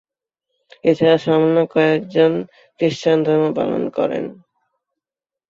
এছাড়া সামান্য কয়েকজন খ্রিস্টান ধর্ম পালন করেন।